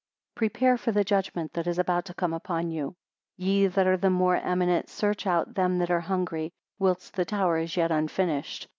Prepare for the judgment that is about to come upon you. 100 Ye that are the more eminent, search out them that are hungry, whilst the tower is yet unfinished.